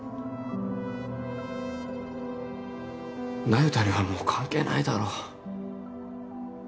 那由他にはもう関係ないだろ